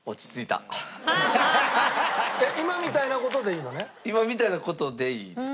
えっ今みたいな事でいいのね？